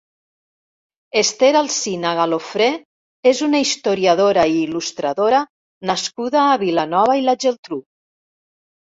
Esther Alsina Galofré és una historiadora i il·lustradora nascuda a Vilanova i la Geltrú.